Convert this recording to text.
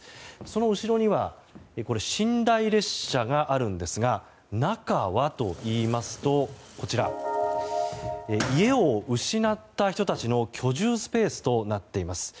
その後ろには寝台列車があるんですが中はといいますと家を失った人たちの居住スペースとなっています。